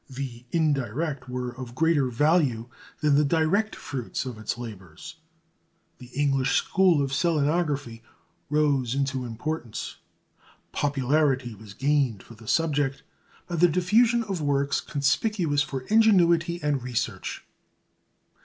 The indirect were of greater value than the direct fruits of its labours. An English school of selenography rose into importance. Popularity was gained for the subject by the diffusion of works conspicuous for ingenuity and research.